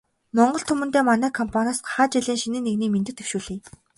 Монгол түмэндээ манай компаниас гахай жилийн шинийн нэгний мэндийг дэвшүүлье.